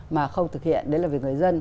mà không thực hiện đấy là vì người dân